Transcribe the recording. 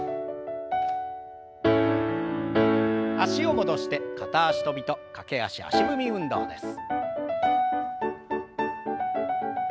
脚を戻して片足跳びと駆け足足踏み運動です。